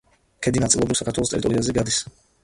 ქედი ნაწილობრივ საქართველოს ტერიტორიაზე გადის.